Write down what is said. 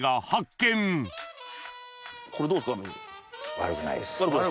悪くないです。